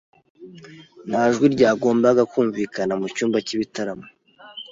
Nta jwi ryagombaga kumvikana mu cyumba cy'ibitaramo.